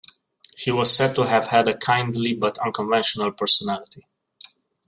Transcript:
He was said to have had a kindly but unconventional personality.